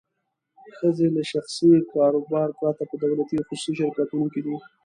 ښځې له شخصي کاروبار پرته په دولتي او خصوصي شرکتونو کې دي.